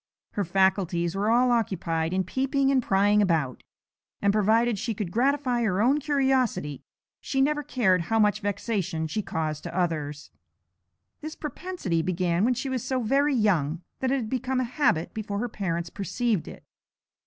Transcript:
Her faculties were all occupied in peeping and prying about, and, provided she could gratify her own curiosity, she never cared how much vexation she caused to others. This propensity began when she was so very young that it had become a habit before her parents perceived it.